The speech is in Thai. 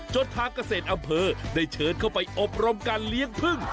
ทางเกษตรอำเภอได้เชิญเข้าไปอบรมการเลี้ยงพึ่ง